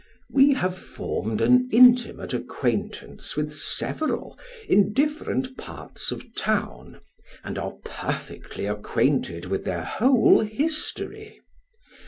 We have formed an intimate acquaintance with several, in different parts of town, and are perfectly acquainted with their whole history.